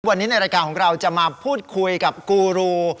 วันนี้ในรายการของเราจะมาพูดคุยกับกูรู